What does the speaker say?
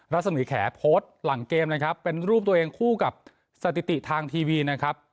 รสมีแขโพสต์หลังเกมนะครับเป็นรูปตัวเองคู่กับสถิติทางทีวีนะครับ